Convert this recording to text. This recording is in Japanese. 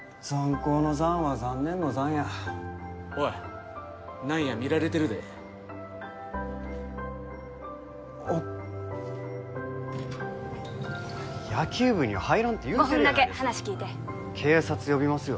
高のザンは残念のザンやおい何や見られてるであっ野球部には入らんて言うてるやないですか５分だけ話聞いて警察呼びますよ